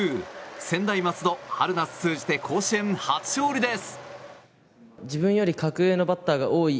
専大松戸、春夏通じて甲子園初勝利です。